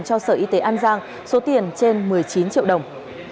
cho sở y tế an giang số tiền trên một mươi chín triệu đồng